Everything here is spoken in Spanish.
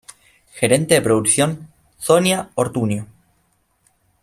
Gerente de Producción: Sonia Ortuño.